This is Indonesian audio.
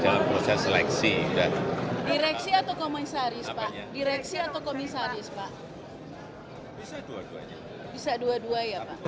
dalam proses seleksi dan direksi atau komisaris pak direksi atau komisaris pak bisa dua duanya